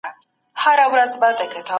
ليکوال د ټولني د دردونو انځورګر وي.